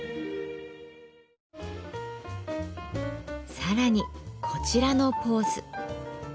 更にこちらのポーズ。